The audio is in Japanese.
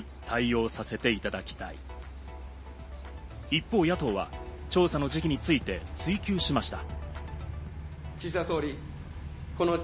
一方、野党は調査の時期について追及しました。